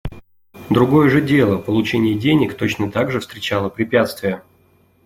Другое же дело — получение денег — точно так же встречало препятствия.